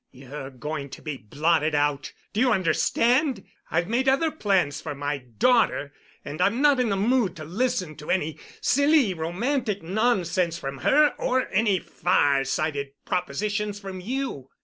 You're going to be blotted out. Do you understand? I've made other plans for my daughter—and I'm not in the mood to listen to any silly romantic nonsense from her or any far sighted propositions from you.